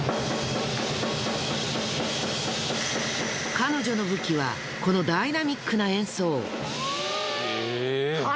彼女の武器はこのダイナミックな演奏。